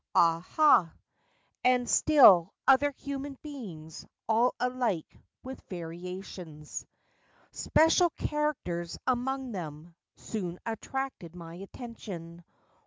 ah, ha!"— And still other human beings; All alike—with variations. Special characters among them Soon attracted my attention.